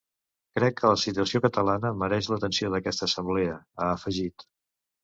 Crec que la situació catalana mereix l’atenció d’aquesta assemblea, ha afegit.